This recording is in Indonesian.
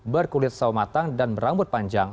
berkulit sawah matang dan berambut panjang